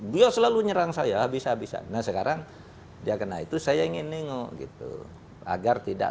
dia selalu nyerang saya bisa bisa nah sekarang dia kena itu saya ingin nengok gitu agar tidak